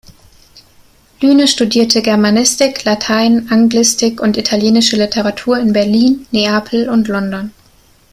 Lyne studierte Germanistik, Latein, Anglistik und italienische Literatur in Berlin, Neapel und London.